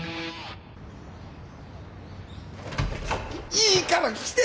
いいから来て！